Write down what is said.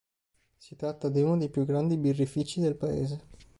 Si tratta di uno dei più grandi birrifici del Paese.